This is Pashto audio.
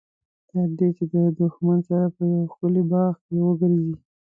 تر دې چې د دښمن سره په یوه ښکلي باغ کې وګرځي.